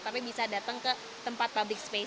tapi bisa datang ke tempat public space